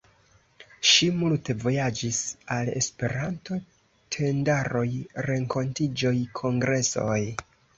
Ŝi multe vojaĝis al Esperanto-tendaroj, renkontiĝoj, kongresoj.